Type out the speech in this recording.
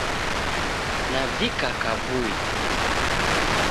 Navika kavui